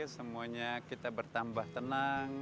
semuanya kita bertambah tenang